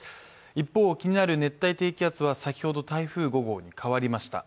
一方、気になる熱帯低気圧は先ほど台風５号に変わりました。